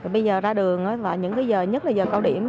bây giờ ra đường và những giờ nhất là giờ cao điểm